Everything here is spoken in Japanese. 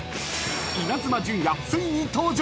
［イナズマ純也ついに登場！］